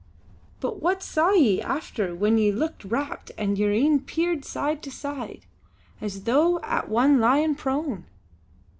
But what saw ye after, when ye looked rapt and yer een peered side to side, as though at one lyin' prone?"